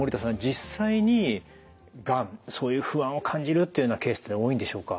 実際にがんそういう不安を感じるというようなケースって多いんでしょうか？